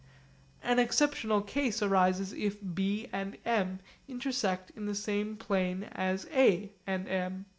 An exceptional case arises if B and M intersect in the same plane as A and M.